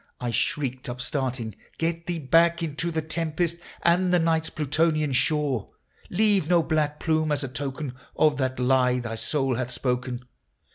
" I shrieked, upstarting, — "Get thee back into the tempest and the night's Plutonian shore ! Leave no black plume as a token of that lie thy soul hath spoken